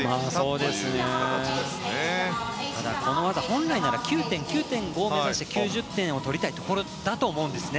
この技本来なら９．５を目指して９０点を取りたいところだと思うんですね。